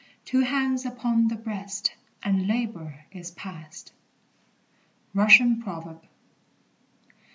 "Two hands upon the breast, and labor is past." RUSSIAN PROVERB.